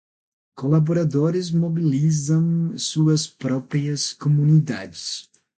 Colaboradores mobilizam suas próprias comunidades